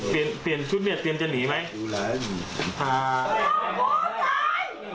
เปลี่ยนชุดเบียดเปลี่ยนจะหนีไหม